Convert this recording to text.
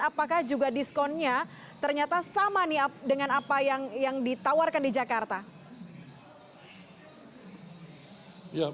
apakah juga diskonnya ternyata sama nih dengan apa yang ditawarkan di jakarta